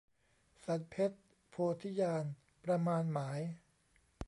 สรรเพชญโพ ธิญาณ ประมาณหมาย